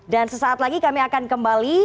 dan sesaat lagi kami akan kembali